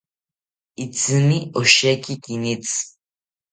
Itzimi osheki kinitzi